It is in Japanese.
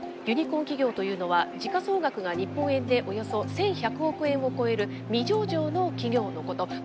ユニコーン企業というのは時価総額が日本円でおよそ１，１００億円を超える未上場の企業のこと。